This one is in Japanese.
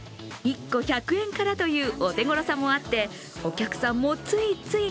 １個１００円からというお手ごろさもあって、お客さんもついつい